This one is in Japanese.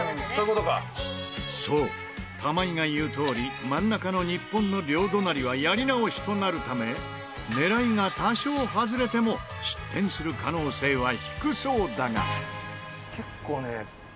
そう玉井が言うとおり真ん中の日本の両隣はやり直しとなるため狙いが多少外れても失点する可能性は低そうだが。